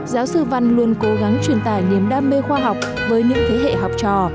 giáo sư văn luôn cố gắng truyền tải niềm đam mê khoa học với những thế hệ học trò